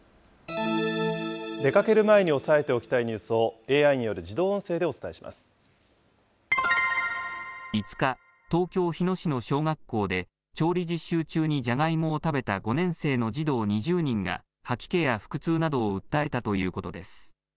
出かける前に押さえておきたいニュースを、ＡＩによる自動音５日、東京・日野市の小学校で、調理実習中にジャガイモを食べた５年生の児童２０人が、吐き気や腹痛などを訴えたということです。